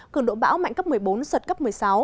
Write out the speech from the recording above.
cường độ bão mạnh cấp một mươi bốn giật cấp một mươi sáu